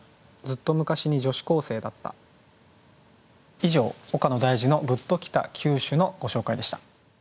以上「岡野大嗣の“グッときた九首”」のご紹介でした。